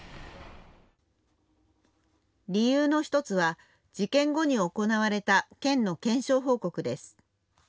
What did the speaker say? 理由の１つは、事件後に行われた県の検証報告です。